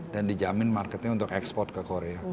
dan dijamin marketnya untuk ekspor ke korea